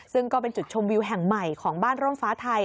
ซึ่งก็เป็นจุดชมวิวแห่งใหม่ของบ้านร่มฟ้าไทย